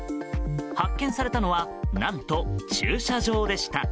発見されたのは何と、駐車場でした。